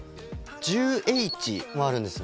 １０Ｈもあるんですね！